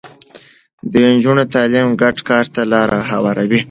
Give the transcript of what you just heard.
د نجونو تعليم ګډ کار ته لاره هواروي.